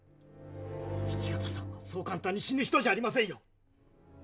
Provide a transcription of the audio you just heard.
土方さんはそう簡単に死ぬ人じゃありませんよ。